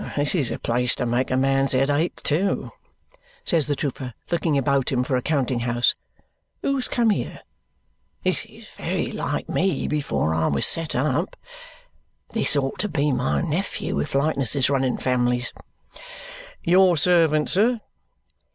"This is a place to make a man's head ache too!" says the trooper, looking about him for a counting house. "Who comes here? This is very like me before I was set up. This ought to be my nephew, if likenesses run in families. Your servant, sir."